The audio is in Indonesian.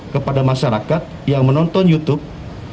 kepada masyarakat yang menonton youtube